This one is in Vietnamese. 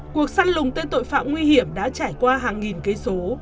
cuộc săn lùng tên tội phạm nguy hiểm đã trải qua hàng nghìn cây số